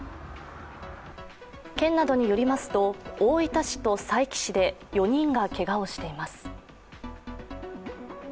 県などによりますと大分市と佐伯市で４人がけがをしています。